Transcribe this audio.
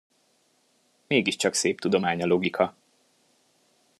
Mégiscsak szép tudomány a logika.